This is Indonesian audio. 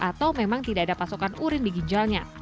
atau memang tidak ada pasokan urin di ginjalnya